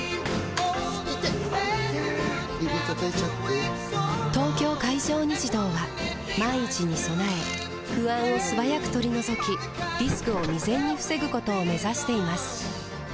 指たたいちゃって・・・「東京海上日動」は万一に備え不安を素早く取り除きリスクを未然に防ぐことを目指しています